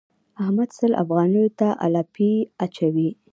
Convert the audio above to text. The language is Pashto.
احمد سل افغانيو ته الاپی اچوي.